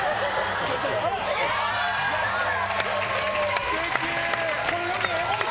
すてき！